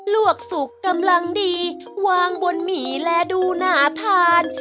วกสุกกำลังดีวางบนหมี่และดูน่าทาน